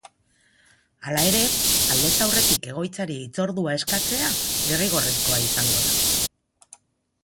Hala ere, aldez aurretik egoitzari hitzordua eskatzea derrigorrezkoa izango da.